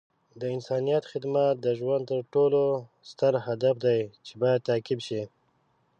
د انسانیت خدمت د ژوند تر ټولو ستر هدف دی چې باید تعقیب شي.